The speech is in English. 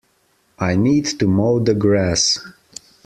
I need to mow the grass.